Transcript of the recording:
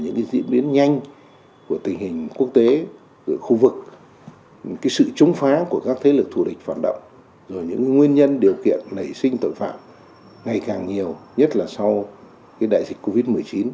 những diễn biến nhanh của tình hình quốc tế khu vực sự chống phá của các thế lực thù địch phản động rồi những nguyên nhân điều kiện nảy sinh tội phạm ngày càng nhiều nhất là sau đại dịch covid một mươi chín